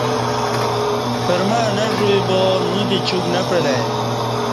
پرمع نہ ژ وی با نودی چوک نہ پعلے